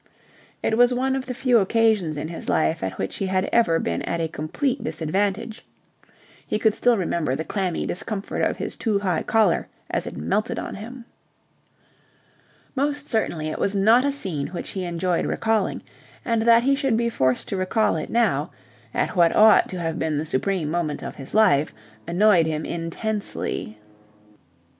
It was one of the few occasions in his life at which he had ever been at a complete disadvantage. He could still remember the clammy discomfort of his too high collar as it melted on him. Most certainly it was not a scene which he enjoyed recalling; and that he should be forced to recall it now, at what ought to have been the supreme moment of his life, annoyed him intensely.